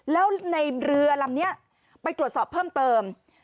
แล้วในเรือลำนี้ไปตรวจสอบเพิ่มเติม